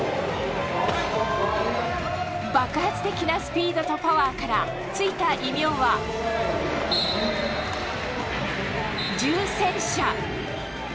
爆発的なスピードとパワーからついた異名は重戦車。